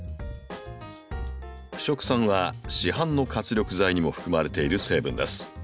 腐植酸は市販の活力剤にも含まれている成分です。